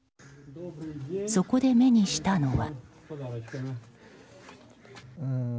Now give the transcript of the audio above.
そこで目にしたのは。